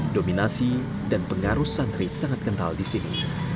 dominasi dan pengaruh santri sangat kental di sini